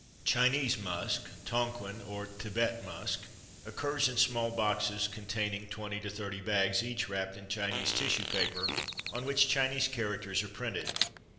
Chinese musk (Tonquin or Thibet musk) occurs in small boxes containing twenty to thirty bags, each wrapped in Chinese tissue paper; on which Chinese characters are printed.